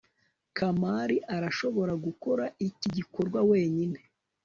kamari arashobora gukora iki gikorwa wenyine